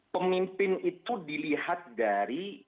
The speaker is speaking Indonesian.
pemimpin itu dilihat dari